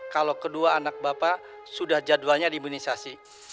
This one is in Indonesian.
kalau kedua anak bapak sudah jadwalnya di imunisasi